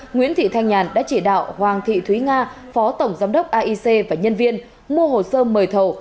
nguyễn thị thanh nhàn đã chỉ đạo hoàng thị thúy nga phó tổng giám đốc aic và nhân viên mua hồ sơ mời thầu